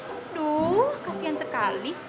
aduh kasihan sekali